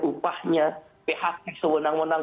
upahnya pht sewenang wenang